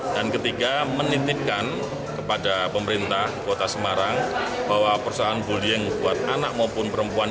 dan ketiga menitipkan kepada pemerintah kota semarang bahwa persoalan bullying buat anak maupun perempuan